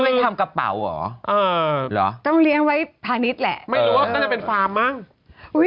หรอต้องเลี้ยงไว้พาณิชย์แหละไม่รู้ว่าก็จะเป็นฟาร์มมั้งอุ้ย